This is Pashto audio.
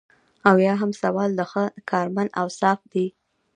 اویایم سوال د ښه کارمند اوصاف دي.